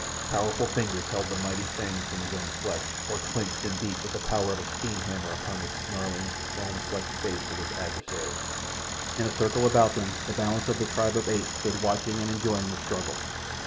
Powerful fingers held the mighty fangs from his own flesh, or clenched and beat with the power of a steam hammer upon the snarling, foam flecked face of his adversary. In a circle about them the balance of the tribe of apes stood watching and enjoying the struggle.